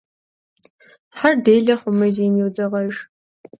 Хьэр делэ хъумэ зейм йодзэкъэж.